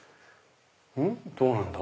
うん？